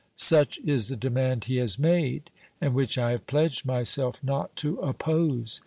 "Such is the demand he has made, and which I have pledged myself not to oppose.